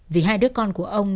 vì hai đứa con của ông